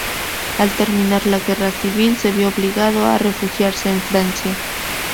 Al terminar la guerra civil, se vio obligado a refugiarse en Francia.